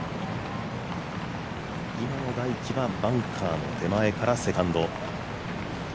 今野大喜はバンカーの手前からセカンド。